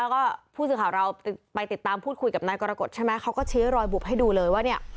แล้วก็ผู้สื่อข่าวเราไปติดตามพูดคุยกับนายกรกฎใช่ไหมเขาก็ชี้รอยบุบให้ดูเลยว่าเนี่ย